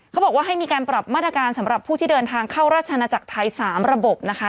เขาบอกว่าให้มีการปรับมาตรการสำหรับผู้ที่เดินทางเข้าราชนาจักรไทย๓ระบบนะคะ